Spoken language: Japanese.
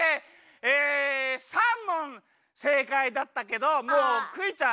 え３もんせいかいだったけどもうクイちゃん